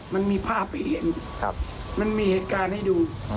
มันมีภาพให้เห็นมันมีเหตุการณ์ให้ดู